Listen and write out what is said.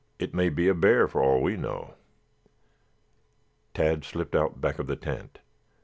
It may be a bear for all we know." Tad slipped out back of the tent.